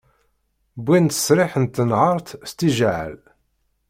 Wwin-d ttesriḥ n tenhert s tijɛεal.